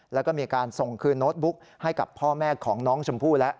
แล้วก็มีการส่งคืนโน้ตบุ๊กให้กับพ่อแม่ของน้องชมพู่แล้ว